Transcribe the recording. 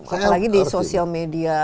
apalagi di sosial media